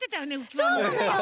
そうなのよ！